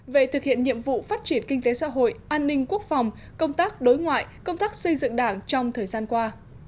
về thực hiện nhiệm vụ phát triển kinh tế xã hội an ninh quốc phòng công tác đối ngoại công tác xây dựng đảng trong thời gian qua